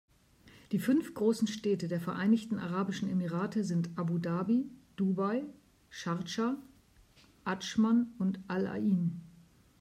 Die fünf großen Städte der Vereinigten Arabischen Emirate sind Abu Dhabi, Dubai, Schardscha, Adschman und Al-Ain.